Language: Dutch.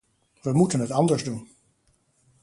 We moeten het anders doen.